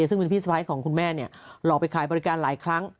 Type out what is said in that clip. ซึ่งเป็นพี่สะพ้ายของคุณแม่หลอกไปขายบริการหลายครั้ง